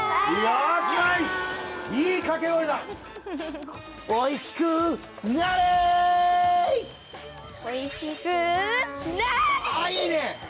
あいいね！